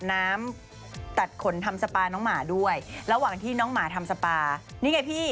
น้ำตัดขนทำสปาน้องหมาด้วยระหว่างที่น้องหมาทำสปานี่ไงพี่